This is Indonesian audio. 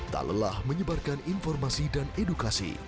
tak lelah menyebarkan informasi dan edukasi